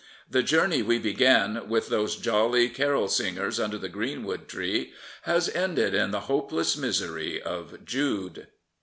The journey we began with those jolly carol singers under the greenwood tree has ended in the hopeless misery of Jude.